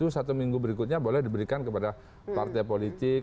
satu minggu berikutnya boleh diberikan kepada partai politik